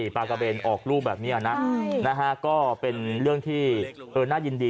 ปากาเบนออกรูปแบบนี้นะก็เป็นเรื่องที่น่ายินดี